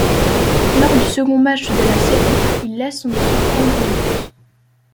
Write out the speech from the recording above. Lors du second match de la série, il laisse son équipe prendre un but.